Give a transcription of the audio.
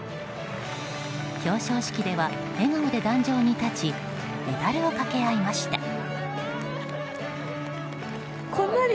表彰式では、笑顔で壇上に立ちメダルをかけ合いました。